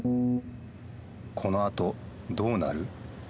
このあとどうなる？